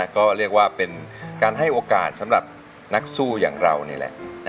ก็เรียกว่าเป็นการให้โอกาสสำหรับนักสู้อย่างเรานี่แหละ